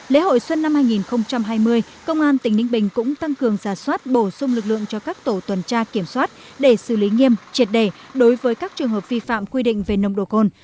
lễ hội xuân năm hai nghìn hai mươi công an tỉnh ninh bình cũng tăng cường giả soát bổ sung lực lượng cho các tổ tuần tra kiểm soát để xử lý nghiêm triệt đề đối với các trường hợp vi phạm quy định về nồng độ cồn